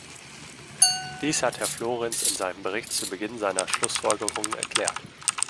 Dies hat Herr Florenz in seinem Bericht zu Beginn seiner Schlussfolgerungen erklärt.